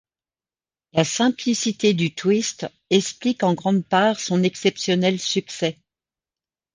La simplicité du twist explique en grande part son exceptionnel succès.